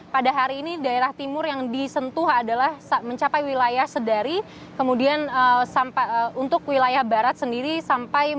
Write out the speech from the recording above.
pada hari ini daerah timur yang disentuh adalah mencapai wilayah sedari kemudian untuk wilayah barat sendiri sampai